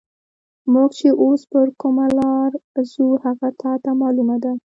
موږ چې اوس پر کومه لار ځو، هغه تا ته معلومه ده؟